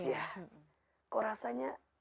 ya kok rasanya